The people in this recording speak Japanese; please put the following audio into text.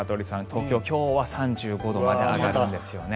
東京、今日は３５度まで上がるんですね。